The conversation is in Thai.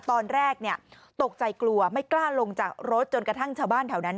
ตอนแรกตกใจกลัวไม่กล้าลงจากรถจนกระทั่งชาวบ้านแถวนั้น